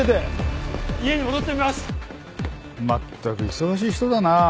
まったく忙しい人だなぁ。